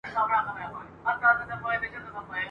د هر چا عیب ته یې دوې سترګي نیولي !.